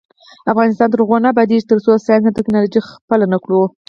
افغانستان تر هغو نه ابادیږي، ترڅو ساینس او ټیکنالوژي خپله نکړو.